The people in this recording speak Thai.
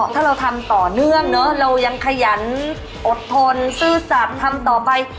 ถ้าเราทำต่อเนื่องเนอะเรายังขยันอดทนซื่อสัตว์ทำต่อไป